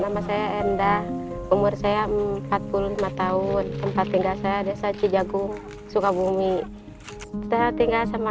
nama saya endah umur saya empat puluh lima tahun tempat tinggal saya desa cijagung sukabumi saya tinggal sama